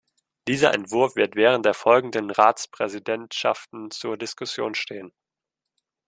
Dieser Entwurf wird während der folgenden Ratspräsidentschaften zur Diskussion stehen.